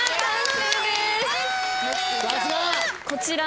こちら。